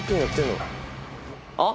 あっ。